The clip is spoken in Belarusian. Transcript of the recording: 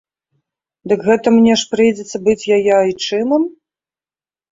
Дык гэта мне ж прыйдзецца быць яе айчымам?